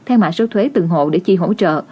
theo mạ số thuế từng hộ để chia hỗ trợ